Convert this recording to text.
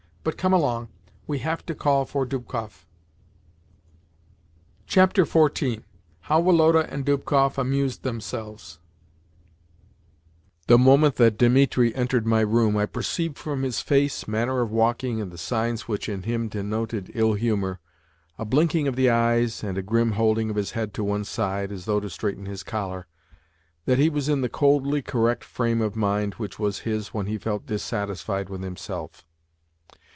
But come along; we have to call for Dubkoff." XIV. HOW WOLODA AND DUBKOFF AMUSED THEMSELVES THE moment that Dimitri entered my room I perceived from his face, manner of walking, and the signs which, in him, denoted ill humour a blinking of the eyes and a grim holding of his head to one side, as though to straighten his collar that he was in the coldly correct frame of mind which was his when he felt dissatisfied with himself.